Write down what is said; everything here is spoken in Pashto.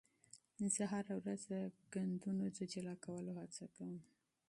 زه هره ورځ د کثافاتو د جلا کولو هڅه کوم.